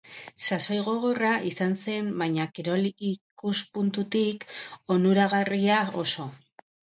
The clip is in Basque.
Sasoi gogorra izan zen baina kirol ikuspuntutik onuragarria oso.